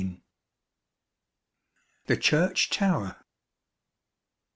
The Church Tower.